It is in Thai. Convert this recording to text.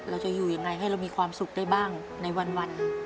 เราจะอยู่ยังไงให้เรามีความสุขได้บ้างในวัน